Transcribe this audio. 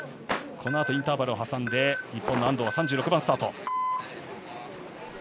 このあとインターバルを挟んで日本の安藤は３６番スタート。